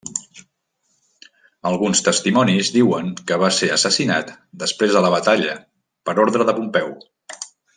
Alguns testimonis diuen que va ser assassinat després de la batalla per ordre de Pompeu.